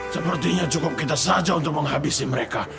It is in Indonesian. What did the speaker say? sepertinya cukup kita saja untuk menghabisi mereka